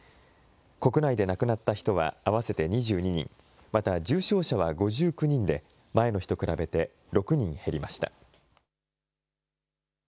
国内で亡くなった人は合わせて２２人、また重症者は５９人で、前の日と比べて６人減りました。